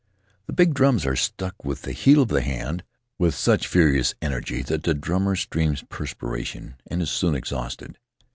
The big drums are struck with the heel of the hand — with such furious energy that the drummer streams perspiration and is soon exhausted.